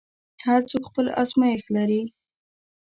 هر څوک خپل ازمېښت لري.